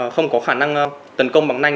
không có khả năng tấn công bằng nanh